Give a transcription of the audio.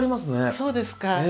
そうですか。